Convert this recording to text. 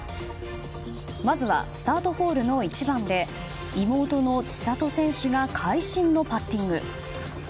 まずはスタートホールの１番で妹の千怜選手が会心のパッティング。